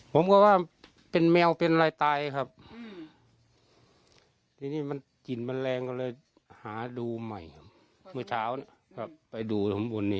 ผมก็ว่าเป็นแมวเป็นอะไรตายครับทีนี้มันกลิ่นมันแรงก็เลยหาดูใหม่ครับเมื่อเช้านะครับไปดูข้างบนนี้